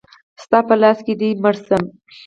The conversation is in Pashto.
ستا په لاس دی مړ شم.